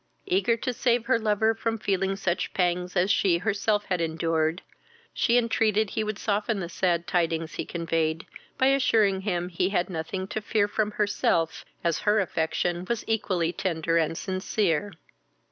Eager to save her lover from feeling such pangs as she herself had endured, she entreated he would soften the sad tidings he conveyed, by assuring him he had nothing to fear from herself, as her affection was equally tender and sincere.